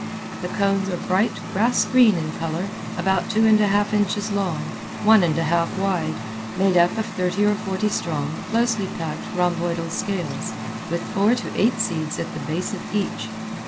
The cones are bright grass green in color, about two and a half inches long, one and a half wide, made up of thirty or forty strong, closely packed, rhomboidal scales, with four to eight seeds at the base of each.